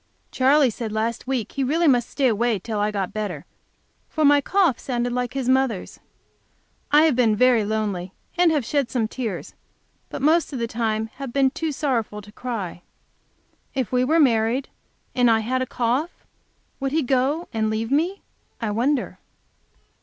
Charley said last week he really must stay away till I got better, for my cough sounded like his mother's. I have been very lonely, and have shed some tears, but most of the time have been too sorrowful to cry. If we were married, and I had a cough, would he go and leave me, I wonder?